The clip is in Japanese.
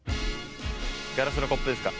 ガラスのコップですか。